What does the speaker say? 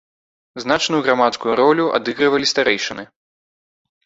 Значную грамадскую ролю адыгрывалі старэйшыны.